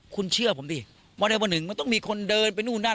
คุณเชื่อผมดิว่าใดวันหนึ่งมันต้องมีคนเดินไปนู่นนั่น